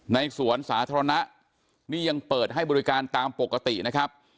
สวนสาธารณะนี่ยังเปิดให้บริการตามปกตินะครับ